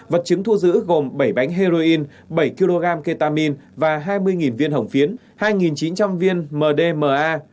vật chứng thu giữ gồm bảy bánh heroin bảy kg ketamine và hai mươi viên hồng phiến hai chín trăm linh viên mdma